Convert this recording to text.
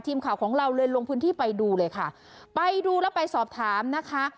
ทีมข่าวของเราเลยลงพื้นที่ไปดูเลยค่ะไปดูแล้วไปสอบถามนะคะ